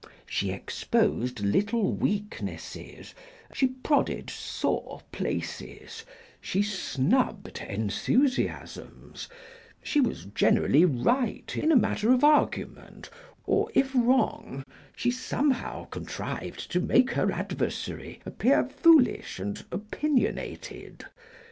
She exposed little weaknesses, she prodded sore places, she snubbed enthusiasms, she was generally right in a matter of argument, or, if wrong, she somehow contrived to make her adversary appear foolish and opinionated.